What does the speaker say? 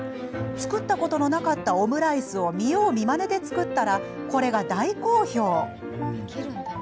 作ったことのなかったオムライスを見よう見まねで作ったらこれが大好評。